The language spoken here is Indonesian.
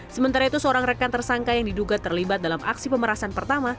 sementara itu seorang rekan tersangka yang diduga terlibat dalam aksi pemerasan pertama